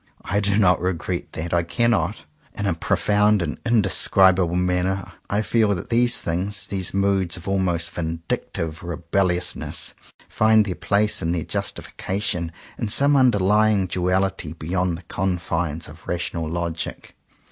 I do not regret that: I cannot. In a profound and indes cribable manner I feel that these things — these moods of almost vindictive rebellious ness — find their place and their justification in some underlying duality beyond the confines of rational logic.